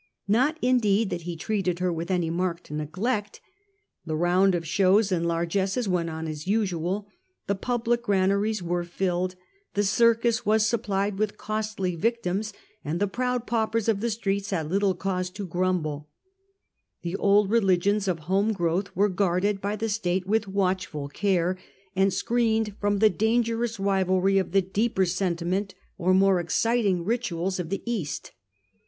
Not indeed that he treated her with any marked neglect. The round of shows and largesses went on as usual : the public granaries were filled, the circus was supplied with costly victims, and the proud paupers of the streets had little cause to grumble. The old religions of home growth were guarded by the state with watchful care, and screened from the dangerous rivalry of the deeper sentiment or more exciting rituals Hadrian's interests cosmo politan more than Roman. II7 J38 Hadrian. 59 of the East.